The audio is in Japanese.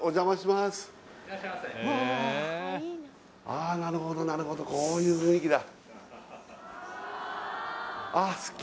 あなるほどなるほどこういう雰囲気だ